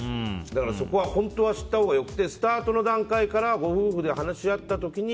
だから本当は知ったほうがよくてスタートの段階からご夫婦で話し合った時に